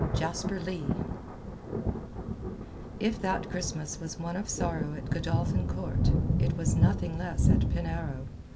JASPER LEIGH If that Christmas was one of sorrow at Godolphin Court, it was nothing less at Penarrow.